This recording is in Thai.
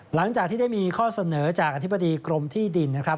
หลังจากที่ได้มีข้อเสนอจากอธิบดีกรมที่ดินนะครับ